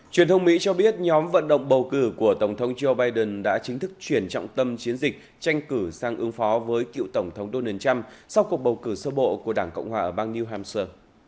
truyền thông mỹ cho biết nhóm vận động bầu cử của tổng thống joe biden đã chính thức chuyển trọng tâm chiến dịch tranh cử sang ứng phó với cựu tổng thống donald trump sau cuộc bầu cử sơ bộ của đảng cộng hòa ở bang new hampshire